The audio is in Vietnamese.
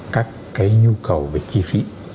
các cái nhu cầu về chi phí